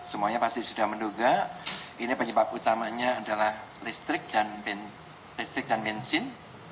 semuanya pasti sudah menduga ini penyebab utamanya adalah listrik dan bensin